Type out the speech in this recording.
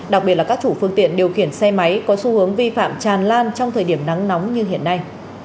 đặc biệt là các chủ phương tiện điều khiển xe máy có xu hướng vi phạm tràn lan trong thời điểm nắng nóng như hiện nay